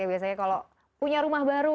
biasanya kalau punya rumah baru